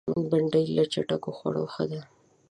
بېنډۍ له چټکو خوړو ښه ده